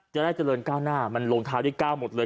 ใจใร่เจริญก้าวหน้ามันโรงเท้าได้ก้าวหมดเลย